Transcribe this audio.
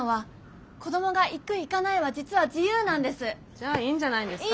じゃいいんじゃないんですか？